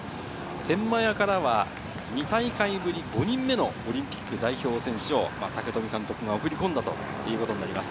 天満屋からは、２大会ぶり５人目のオリンピック代表選手を武冨監督が送り込んだということになります。